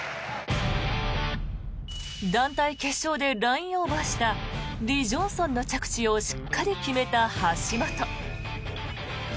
団体決勝でラインオーバーしたリ・ジョンソンの着地をしっかり決めた橋本。